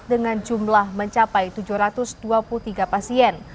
dengan jumlah mencapai tujuh ratus dua puluh tiga pasien